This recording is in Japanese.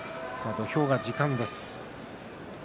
土俵は時間です。